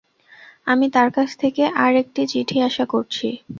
আমি তার কাছ থেকে আর একটি চিঠি আশা করছি।